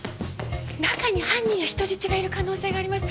中に犯人や人質がいる可能性があります。